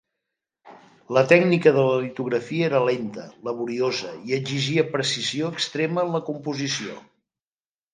La tècnica de la litografia era lenta, laboriosa i exigia precisió extrema en la composició.